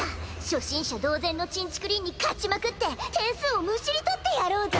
初心者同然のちんちくりんに勝ちまくって点数をむしり取ってやろうぞ。